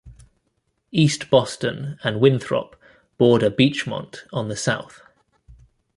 East Boston and Winthrop border Beachmont on the South.